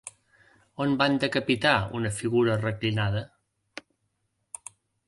On van decapitar una figura reclinada?